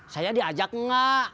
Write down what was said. saya diajak enggak